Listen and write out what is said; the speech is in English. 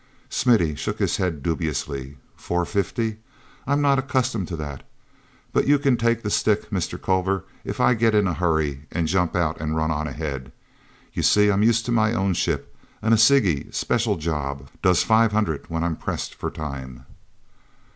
Smithy shook his head dubiously. "Four fifty—I'm not accustomed to that. But you can take the stick, Mr. Culver, if I get in a hurry and jump out and run on ahead. You see I'm used to my own ship, an Assegai—special job—does five hundred when I'm pressed for time."